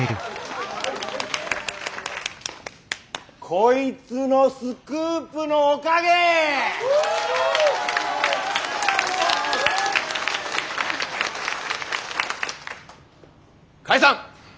こいつのスクープのおかげ！解散！